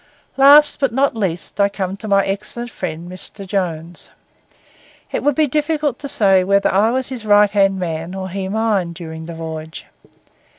Last but not least, I come to my excellent friend Mr. Jones. It would be difficult to say whether I was his right hand man, or he mine, during the voyage.